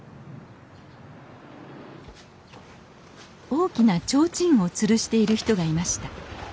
大きな提灯をつるしている人がいました。